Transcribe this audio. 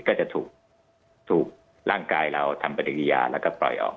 ก็จะถูกร่างกายเราทำปฏิกิริยาแล้วก็ปล่อยออก